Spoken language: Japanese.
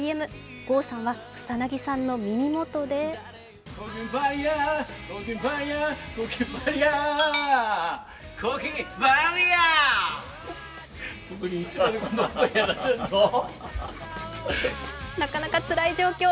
郷さんは草なぎさんの耳元でなかなかつらい状況。